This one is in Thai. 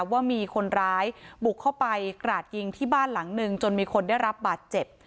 ว่ามีคนร้ายบุกเข้าไปกราดยิงที่บ้านหลังหนึ่งจนมีคนได้รับบาดเจ็บ